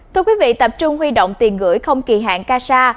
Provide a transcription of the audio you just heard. thưa quý vị tập trung huy động tiền gửi không kỳ hạn casa